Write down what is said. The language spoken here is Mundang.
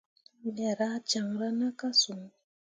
Me rah caŋra na ka son.